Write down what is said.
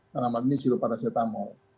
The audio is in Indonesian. karena ini sirup paracetamol